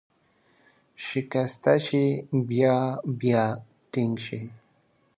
شکسته شي، بیا بیا ټینګ شي.